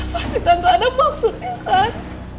pasti tentu ada maksudnya kan